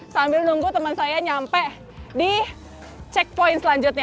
sambil nunggu teman saya nyampe di checkpoint selanjutnya